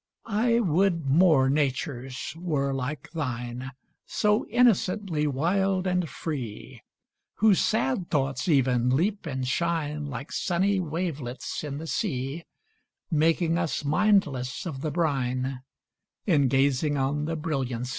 I would more natures were like thine, So innocently wild and free, Whose sad thoughts, even, leap and shine, Like sunny wavelets in the sea, Making us mindless of the brine, In gazing on the brilliancy.